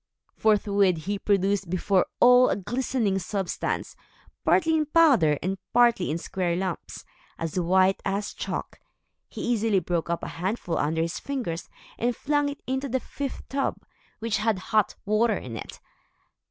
Forthwith he produced before all a glistening substance, partly in powder, and partly in square lumps, as white as chalk. He easily broke up a handful under his fingers, and flung it into the fifth tub, which had hot water in it.